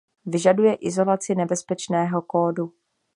Vyžaduje izolaci nebezpečného kódu.